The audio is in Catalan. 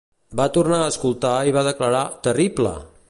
Va tornar a escoltar i va declarar "Terrible!".